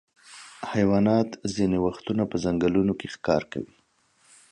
حیوانات ځینې وختونه په ځنګلونو کې ښکار کوي.